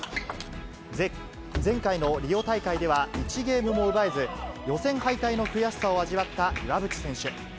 前回のリオ大会では１ゲームも奪えず、予選敗退の悔しさを味わった岩渕選手。